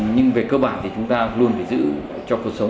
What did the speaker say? nhưng về cơ bản thì chúng ta luôn phải giữ cho cuộc sống